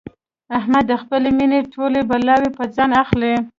احمد د خپلې مینې ټولې بلاوې په ځان اخلي.